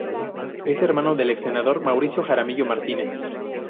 Es hermano del exsenador Mauricio Jaramillo Martínez.